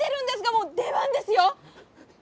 もう出番ですよ！